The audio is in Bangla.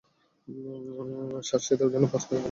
শাসিয়ে দাও যেন আজকের পর আর আমাদের পল্লীতে না আসে।